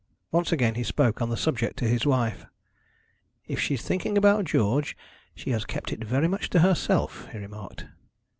Once again he spoke on the subject to his wife. 'If she's thinking about George, she has kept it very much to herself,' he remarked.